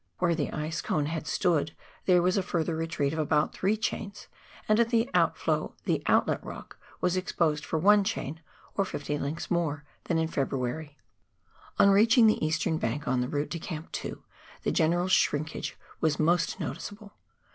Where the ice cone had stood there was a further retreat of about three chains, and at the outflow the " Outlet " Bock was exposed for one chain — or 50 links more than in February. THE FRAXZ JOSEF GLACIER. 17o On reaching the eastern bank on the route to Camp 2, the general shrinkage was most noticeable.